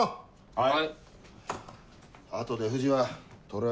はい。